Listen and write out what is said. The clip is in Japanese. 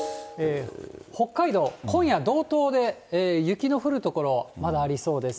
北海道、今夜、道東で雪の降る所、まだありそうです。